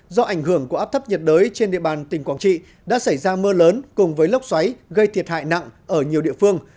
do ảnh hưởng của áp thấp nhiệt đới trên địa bàn tỉnh quảng trị đã xảy ra mưa lớn cùng với lốc xoáy gây thiệt hại nặng ở nhiều địa phương